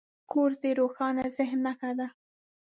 کورس د روښانه ذهن نښه ده.